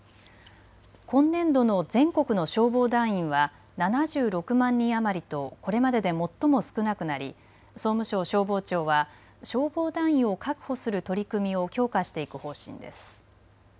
今年度の全国の消防団員は７６万人余りとこれまでで最も少なくなり総務省消防庁は消防団員を確保する取り組みを強化していく方針です。